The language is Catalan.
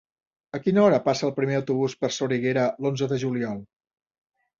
A quina hora passa el primer autobús per Soriguera l'onze de juliol?